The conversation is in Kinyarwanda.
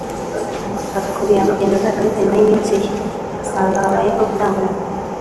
bakatubwira ngo genda uzagaruke nyuma y’iminsi iyi… ugasanga habayeho gutanguranwa